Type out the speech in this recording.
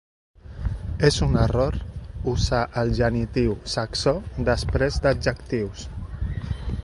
És un error usar el genitiu saxó després d'adjectius.